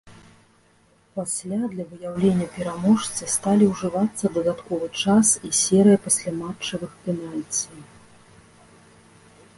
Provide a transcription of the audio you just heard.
Пасля для выяўлення пераможца сталі ўжывацца дадатковы час і серыя пасляматчавых пенальці.